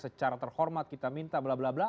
secara terhormat kita minta blablabla